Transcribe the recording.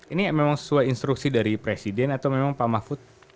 ini memang sesuai instruksi dari presiden atau memang pak mahfud